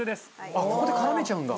あっここで絡めちゃうんだ。